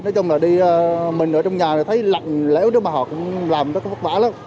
nói chung là mình ở trong nhà thấy lặng lẽo mà họ cũng làm rất là phức vả lắm